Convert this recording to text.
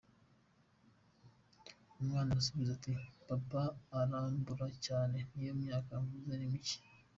Umwana arasubiza ati "Papa arambura cyane n’iyo myaka mvuze ni mike…”.